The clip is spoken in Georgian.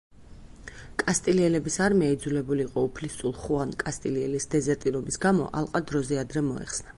კასტილიელების არმია იძულებული იყო უფლისწულ ხუან კასტილიელის დეზერტირობის გამო ალყა დროზე ადრე მოეხსნა.